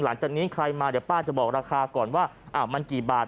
หลังจากนี้ใครมาเดี๋ยวป้าจะบอกราคาก่อนว่ามันกี่บาท